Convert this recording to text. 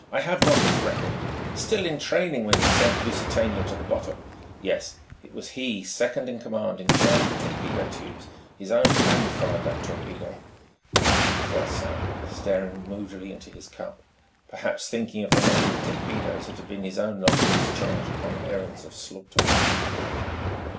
"I have not his record ... still in training when he sent Lusitania to the bottom. Yes: it was he, second in command, in charge of torpedo tubes. His own hand fired that torpedo...." He fell silent, staring moodily into his cup, perhaps thinking of the number of torpedoes it had been his own lot to discharge upon errands of slaughter.